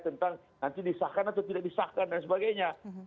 tentang nanti disahkan atau tidak disahkan dan sebagainya